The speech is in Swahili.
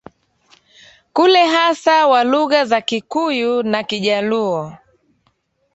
kule hasa wa lugha za Kikuyu na Kijaluo